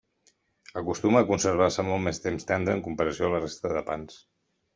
Acostuma a conservar-se molt més temps tendre en comparació a la resta dels pans.